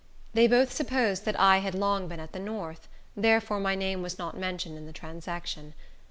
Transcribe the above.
They both supposed that I had long been at the north, therefore my name was not mentioned in the transaction.